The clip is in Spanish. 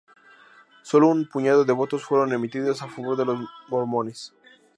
Sólo un puñado de votos fueron emitidos a favor de los mormones.